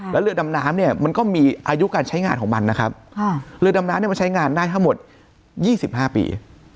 แล้วเรือดำน้ำเนี่ยมันก็มีอายุการใช้งานของมันนะครับเรือดำน้ำเนี่ยมันใช้งานได้ทั้งหมด๒๕ปี